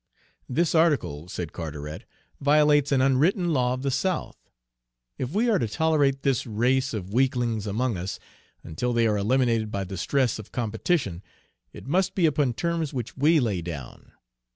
"This article," said Carteret, "violates an unwritten law of the South. If we are to tolerate this race of weaklings among us, until they are eliminated by the stress of competition, it must be upon terms which we lay down.